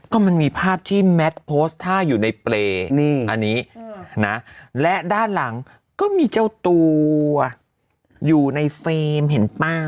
ก็มันมีภาพที่แมทโพสต์ท่าอยู่ในเปรย์อันนี้นะและด้านหลังก็มีเจ้าตัวอยู่ในเฟรมเห็นป่ะ